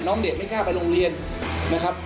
น้องเด็กไม่กล้าไปโรงเรียนนะครับ